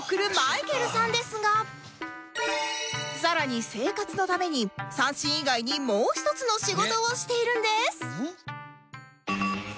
さらに生活のために三線以外にもう一つの仕事をしているんです！